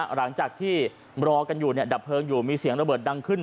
หลังจากที่รอกันอยู่ดับเพลิงอยู่มีเสียงระเบิดดังขึ้น